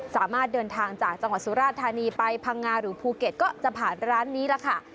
สามารถเดินทางจากจังหวัดสุราธานีไปพังงาหรือภูเก็ตก็จะผ่านร้านนี้ล่ะค่ะ